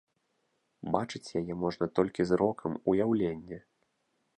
Бачыць яе можна толькі зрокам уяўлення.